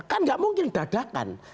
kan gak mungkin dadakan